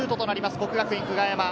國學院久我山。